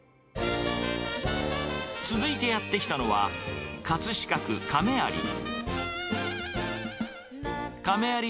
続いてやって来たのは、葛飾区亀有。